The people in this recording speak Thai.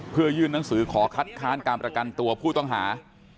เพื่อยื่นหนังสือขอคัดค้านการประกันตัวผู้ต้องหา